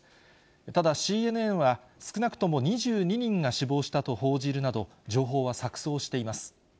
ただ、ＣＮＮは、少なくとも２２人が死亡したと報じるなど、情報は錯そうしています。